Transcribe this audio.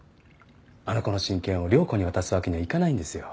あの子の親権を涼子に渡すわけにはいかないんですよ。